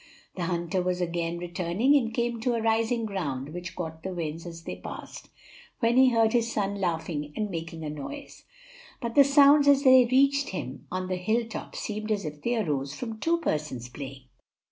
The hunter was again returning, and came to a rising ground which caught the winds as they passed, when he heard his son laughing and making a noise; but the sounds as they reached him on the hill top, seemed as if they arose from two persons playing.